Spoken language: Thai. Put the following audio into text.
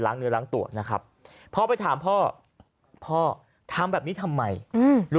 ล้างเนื้อล้างตัวนะครับพอถ้าพ่อทำแบบนี้ทำไมอืมรู้